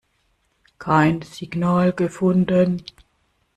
Kein Signal gefunden.